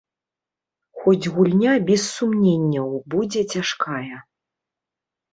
Хоць гульня, без сумненняў, будзе цяжкая.